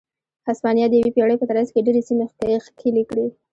هسپانیا د یوې پېړۍ په ترڅ کې ډېرې سیمې ښکېلې کړې.